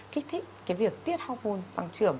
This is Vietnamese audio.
kích thích cái việc tiết hormone tăng trưởng